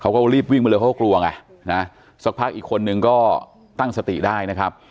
เขาก็รีบวิ่งไปเลยเขาก็กลัวไงนะสักพักอีกคนนึงก็ตั้งสติได้นะครับ